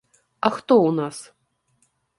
А хто ў нас?